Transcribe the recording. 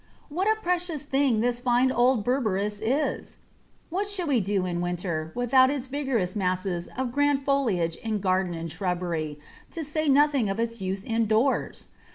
What a precious thing this fine old Berberis is! What should we do in winter without its vigorous masses of grand foliage in garden and shrubbery, to say nothing of its use indoors?